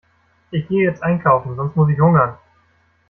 Ich gehe jetzt einkaufen, sonst muss ich hungern.